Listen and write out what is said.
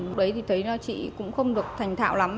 lúc đấy thì thấy chị cũng không được thành thạo lắm